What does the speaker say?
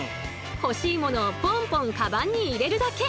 欲しいものをポンポンかばんに入れるだけ。